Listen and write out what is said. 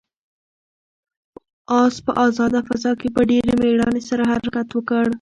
آس په آزاده فضا کې په ډېرې مېړانې سره حرکت وکړ.